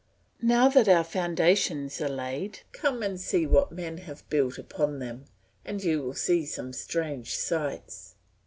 Now that our foundations are laid, come and see what men have built upon them; and you will see some strange sights!